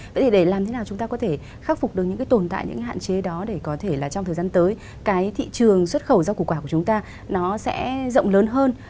vậy thì để làm thế nào chúng ta có thể khắc phục được những cái tồn tại những cái hạn chế đó để có thể là trong thời gian tới cái thị trường xuất khẩu rau củ quả của chúng ta nó sẽ rộng lớn hơn